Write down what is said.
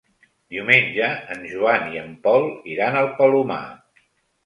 Diumenge en Joan i en Pol iran al Palomar.